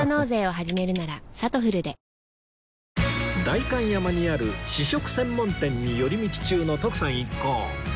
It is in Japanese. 代官山にある試食専門店に寄り道中の徳さん一行